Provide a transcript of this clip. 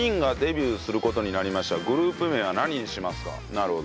なるほど。